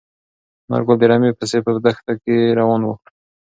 انارګل د رمې پسې په دښته کې روان و.